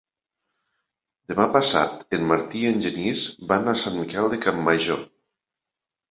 Demà passat en Martí i en Genís van a Sant Miquel de Campmajor.